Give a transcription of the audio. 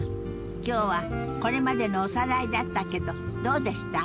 今日はこれまでのおさらいだったけどどうでした？